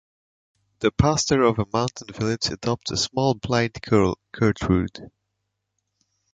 The pastor of a mountain village adopts a small blind girl, Gertrude.